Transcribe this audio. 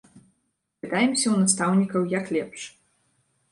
Пытаемся ў настаўнікаў, як лепш.